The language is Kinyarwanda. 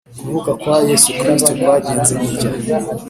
Kuvuka kwa Yesu Kristo kwagenze gutya.